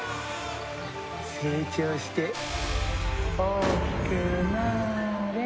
成長して大きくなれ。